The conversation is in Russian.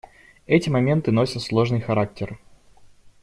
Эти моменты носят сложный характер.